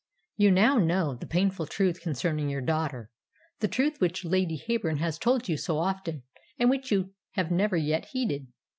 You now know the painful truth concerning your daughter the truth which Lady Heyburn has told you so often, and which you have never yet heeded."